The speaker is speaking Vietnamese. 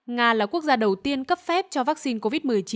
nga là quốc gia đầu tiên cấp phép cho vaccine covid một mươi chín